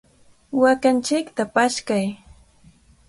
¡Waakanchikta paskay!